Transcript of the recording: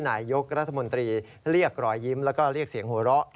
นายยกรัฐมนตรีเรียกรอยยิ้มแล้วก็เรียกเสียงหัวเราะ